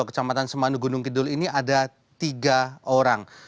kecamatan semanu gunung kidul ini ada tiga orang